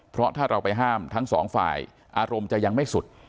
เพราะถ้าเราไปห้ามทั้งสองฝ่ายอารมณ์จะยังไม่สุด